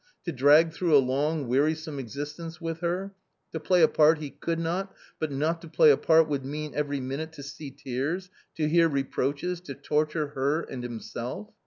to drag through a long wearisome existence with her ; to play a part he could not, but not to play a part would mean every minute to see tears, to hear reproaches, to torture her and himself.